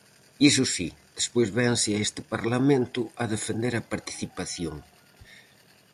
Iso si, despois vénse a este Parlamento a defender a participación.